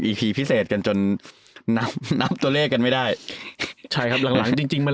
ีพิเศษกันจนนับนับตัวเลขกันไม่ได้ใช่ครับหลังหลังจริงจริงมัน